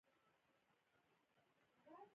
نوي تولیدات ډیزاین کوي.